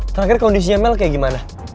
terakhir kondisi nya mel kayak gimana